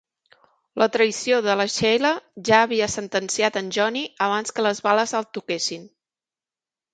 La traïció de la Sheila ja havia sentenciat en Johnny abans que les bales el toquessin.